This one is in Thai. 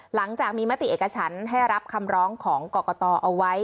หลังจากมีมติเอกฉันให้รับคำร้องของกรกตเอาไว้